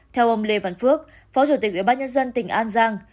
theo ông lê văn phước phó chủ tịch ủy ban nhân dân tỉnh an giang